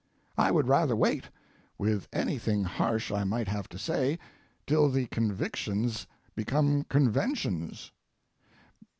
I would rather wait, with anything harsh I might have to say, till the convictions become conventions.